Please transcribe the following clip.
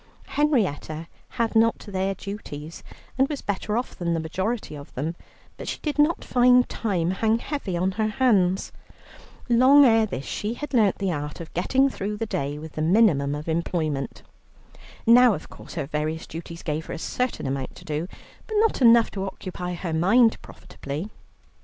Henrietta had not their duties, and was better off than the majority of them, but she did not find time hang heavy on her hands. Long ere this she had learnt the art of getting through the day with the minimum of employment. Now, of course, her various duties gave her a certain amount to do, but not enough to occupy her mind profitably.